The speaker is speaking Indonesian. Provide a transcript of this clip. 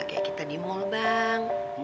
kayak kita di mall bang